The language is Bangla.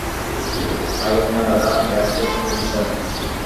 পাইলট না দাদা, এয়ারফোর্স অফিসার।